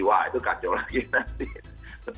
wah itu kacau lagi nanti